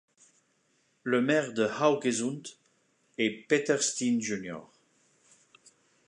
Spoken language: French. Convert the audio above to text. Le maire de Haugesund est Petter Steen jr.